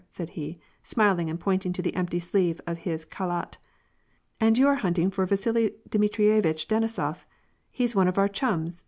" said he, smiling, and pointing to the empty sleeve of his khalat. " And you're hunting for Vasili Dmitrievitch Denisof. He's one of our chums